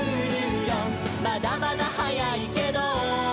「まだまだ早いけど」